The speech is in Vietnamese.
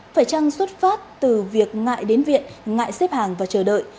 phải chăng xuất phát từ việc ngại đến viện ngại xếp hàng và chờ đợi